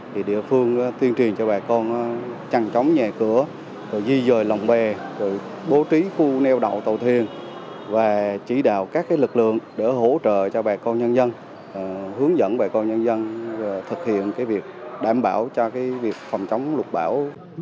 thì địa phương tuyên truyền cho bà con chằn chóng nhà cửa rồi di rời lồng bè rồi bố trí khu neo đậu tàu thiên và chỉ đạo các lực lượng để hỗ trợ cho bà con nhân dân hướng dẫn bà con nhân dân thực hiện cái việc đảm bảo cho cái việc phòng chống lục bão